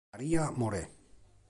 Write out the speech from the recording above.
María Moret